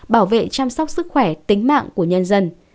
bảo vệ chăm sóc sức khỏe tính mạng của nhân dân